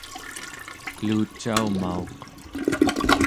kelucaumauq